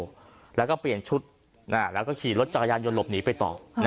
แล้วก็เปลี่ยนชุดแล้วก็ขี่รถจักรยานยนต์หลบหนีไปต่อ